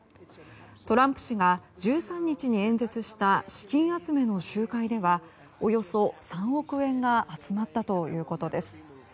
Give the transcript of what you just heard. トランプ氏が１３日に演説した資金集めの集会ではおよそ３億円が集まったということです。